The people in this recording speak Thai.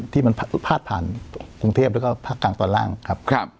ที่มันพาดผ่านกรุงเทพแล้วก็ภาคกลางตอนล่างครับ